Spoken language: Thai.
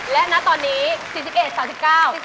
และณตอนนี้๔๑๓๙บาท